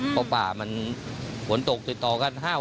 เพราะป่ามันฝนตกติดต่อกัน๕วัน